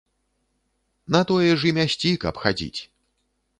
На тое ж і мясці, каб хадзіць.